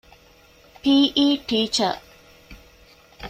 ޕީ. އީ ޓީޗަރ